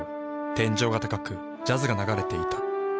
天井が高くジャズが流れていた。